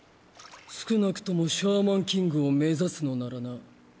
少なくともシャーマンキングを目指すのならな。